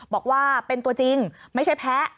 บอกว่าเป็นตัวจริงไม่ใช่แพ้